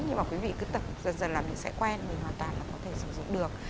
nhưng mà quý vị cứ tật dần dần là mình sẽ quen mình hoàn toàn là có thể sử dụng được